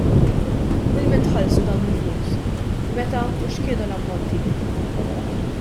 Lil min tħallsu dawn il-flus, meta u x'kienu l-ammonti?